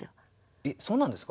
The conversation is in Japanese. えっそうなんですか？